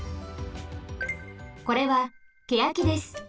これはケヤキです。